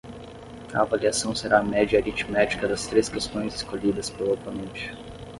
A avaliação será a média aritmética das três questões escolhidas pelo oponente.